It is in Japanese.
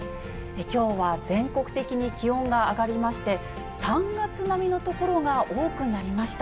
きょうは全国的に気温が上がりまして、３月並みの所が多くなりました。